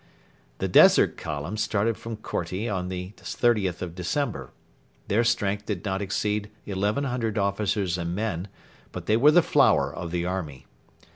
The Desert Column started from Korti on the 30th of December. Their strength did not exceed 1,100 officers and men, but they were the flower of the army.